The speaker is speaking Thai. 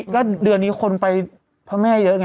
ก็เดือนนี้คนไปพระแม่เยอะไง